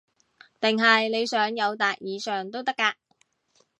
定係你想友達以上都得㗎